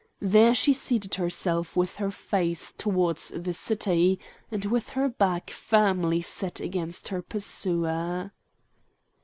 There she seated herself with her face towards the city, and with her back firmly set against her pursuer.